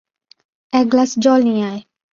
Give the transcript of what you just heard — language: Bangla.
এক গ্লাস জল নিয়ে আয়।